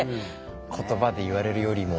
言葉で言われるよりも。